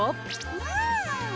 うん！